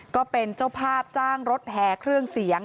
ก็เป็นเจ้าภาพจ้างรถแห่เครื่องเสียง